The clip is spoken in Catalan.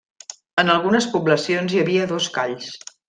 En algunes poblacions hi havia dos calls.